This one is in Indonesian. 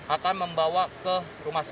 akan membawa ke rumah sakit